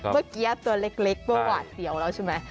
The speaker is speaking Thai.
เมื่อกี้ตัวเล็กว่าหวาดเสี่ยวแล้วใช่มั้ย